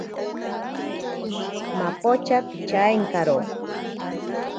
Mapocha pichaenkaro.